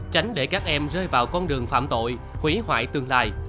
tránh để các em rơi vào con đường phạm tội hủy hoại tương lai